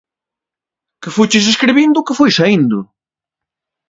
Que fuches escribindo o que foi saíndo.